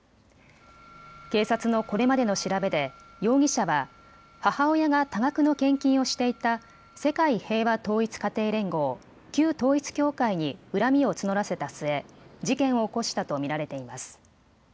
警察のこれまでの調べで容疑者は母親が多額の献金をしていた世界平和統一家庭連合、旧統一協会に恨みを募らせた末、事件を起こしたと見られています。